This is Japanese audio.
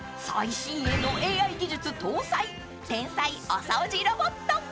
［最新鋭のＡＩ技術搭載天才お掃除ロボット］